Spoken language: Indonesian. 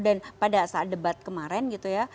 dan pada saat debat kemarin gitu ya